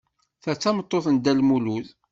Ta d tameṭṭut n Dda Lmulud?